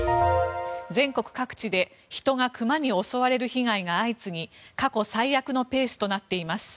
全国各地で人が熊に襲われる被害が相次ぎ過去最悪のペースとなっています。